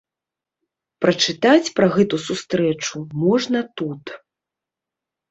Прачытаць пра гэту сустрэчу можна тут.